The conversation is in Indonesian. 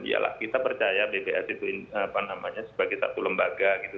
yalah kita percaya bps itu sebagai satu lembaga gitu